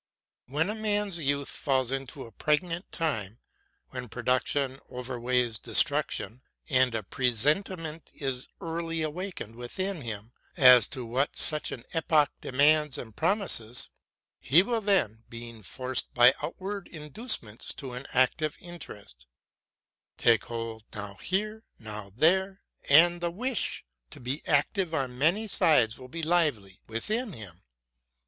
When a man's youth falls into a pregnant time; when production overweighs destruction, and a presentiment is early awakened within him as to what such an epoch de mands and promises, — he will then, being forced by outward inducements into an active interest, take hold now here, now there, and the wish to be active on many sides will be lively within him.